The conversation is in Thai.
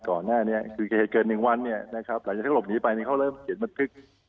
ก่อนแน่นี้เกิดเกิน๑วันหลังจากหลบหนีไปเขาเริ่มเห็นมันทึก